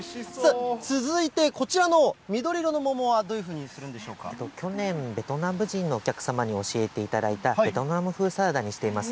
続いてこちらの緑色の桃は、去年、ベトナム人のお客様に教えていただいた、ベトナム風サラダにしています。